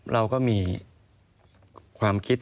เราก็มีความคิด